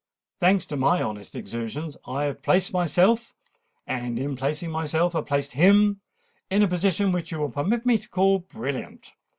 "Thanks to my honest exertions, I have placed myself—and, in placing myself, have placed him—in a position which you will permit me to call brilliant.